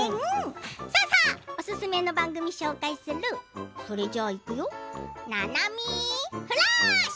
さあさあおすすめの番組を紹介するそれじゃあ、いくよ「ななみフラッシュ！」。